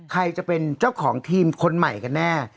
ใครจะเป็นเจ้าของทีมคนใหม่กันแน่